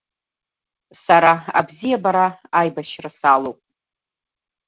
Сара абзиабара аибашьра салоуп…